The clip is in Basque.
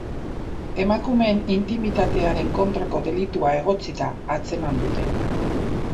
Emakumeen intimitatearen kontrako delitua egotzita atzeman dute.